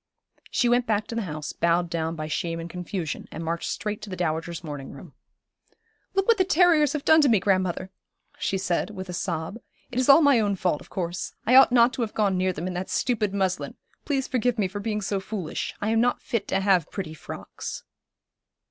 She went back to the house, bowed down by shame and confusion, and marched straight to the dowager's morning room. 'Look what the terriers have done to me, grandmother,' she said, with a sob. 'It is all my own fault, of course. I ought not to have gone near them in that stupid muslin. Please forgive me for being so foolish. I am not fit to have pretty frocks.'